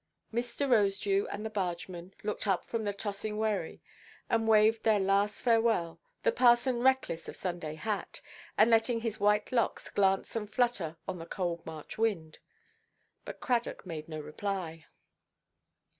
Mr. Rosedew and the bargeman looked up from the tossing wherry, and waved their last farewell, the parson reckless of Sunday hat, and letting his white locks glance and flutter on the cold March wind. But Cradock made no reply.